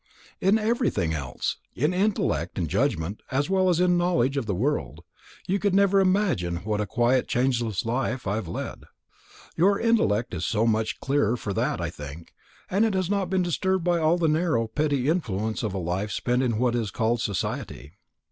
"In everything else. In intellect and judgment, as well as in knowledge of the world. You could never imagine what a quiet changeless life I have led." "Your intellect is so much the clearer for that, I think. It has not been disturbed by all the narrow petty influences of a life spent in what is called 'society.'"